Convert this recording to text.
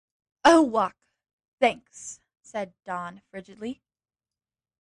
"I'll walk, thanks," said Don frigidly.